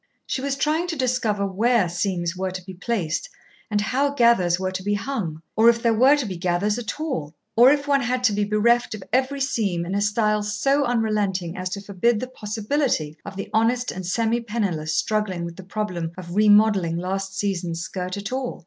She was trying to discover where seams were to be placed and how gathers were to be hung; or if there were to be gathers at all; or if one had to be bereft of every seam in a style so unrelenting as to forbid the possibility of the honest and semi penniless struggling with the problem of remodelling last season's skirt at all.